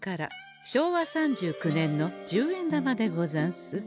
昭和３９年の十円玉でござんす。